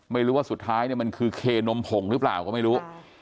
ไม่รู้ว่าสุดท้ายเนี่ยมันคือเคนมผงหรือเปล่าก็ไม่รู้